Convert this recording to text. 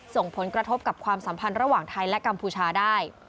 ส่งผลกระทบกับความสัมพันธ์ระหว่างไทยและกัมพูชาได้